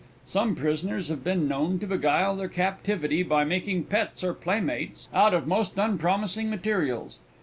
Some prisoners have been known to beguile their captivity by making pets or playmates out of most unpromising materials.